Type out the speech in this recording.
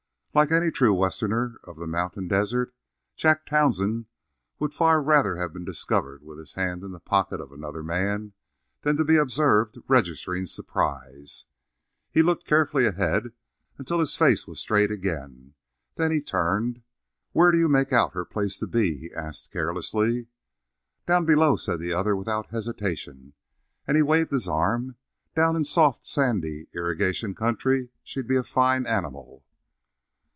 Like any true Westerner of the mountain desert, Jack Townsend would far rather have been discovered with his hand in the pocket of another man than be observed registering surprise. He looked carefully ahead until his face was straight again. Then he turned. "Where d'you make out her place to be?" he asked carelessly. "Down below," said the other without hesitation, and he waved his arm. "Down in soft, sandy irrigation country she'd be a fine animal."